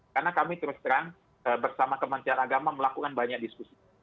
karena kami terus terang bersama kemanusiaan agama melakukan banyak diskusi